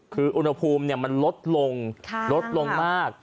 คืออุณหภูมิมันลดลงลดลงมาก